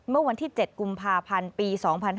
เมื่อวันที่๗กุมภาพันธ์ปี๒๕๕๙